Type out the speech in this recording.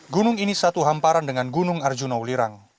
gunung ini satu hamparan dengan gunung arjuna welirang